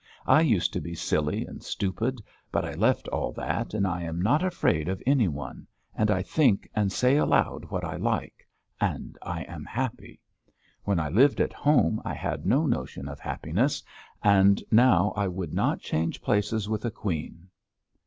I used to be silly and stupid, but I left all that and I am not afraid of any one, and I think and say aloud what I like and I am happy. When I lived at home I had no notion of happiness, and now I would not change places with a queen."